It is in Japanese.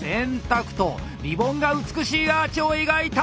リボンが美しいアーチを描いた！